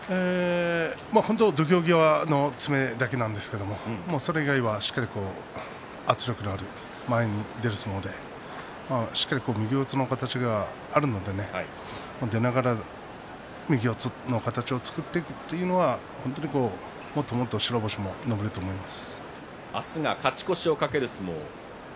本当に土俵際は詰めだけなんですがそれ以外はしっかり圧力のある前に出る相撲でしっかり右四つの相撲があるので出ながら右四つを作っていくというのは、本当にもっともっと白星が伸びると思います。